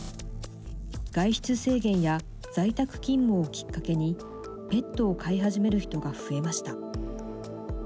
外出制限や在宅勤務をきっかけにペットを買い始める人が増えました。